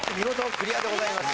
ありがとうございます。